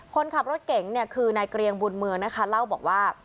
คนขับรถเก๋งเนี่ยคือนายเกรียงบุญเมืองนะคะเล่าบอกว่า